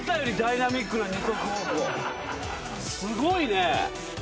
すごいね。